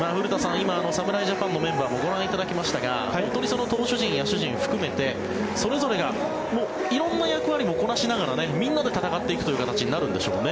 今、侍ジャパンのメンバーもご覧いただきましたが投手陣、野手陣含めてそれぞれが色んな役割もこなしながらみんなで戦っていくという形になるんでしょうね。